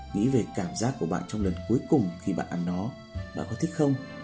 nghĩ về cảm giác của bạn trong lần cuối cùng khi bạn ăn nó bạn có thích không